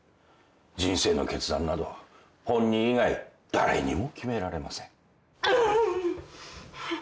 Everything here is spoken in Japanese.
人生の決断など本人以外誰にも決められません。